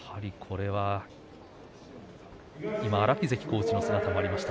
今荒木関コーチの姿もありました。